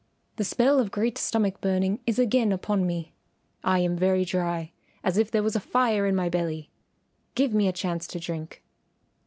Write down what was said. The spell of great stomach burning is again upon me. I am very dry as if there was a fire in my belly. Give me a chance to drink."